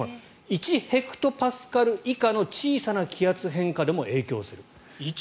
１ヘクトパスカル以下の小さな気圧変化でも影響する。